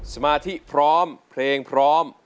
สมาธิพร้อมเพลงพร้อม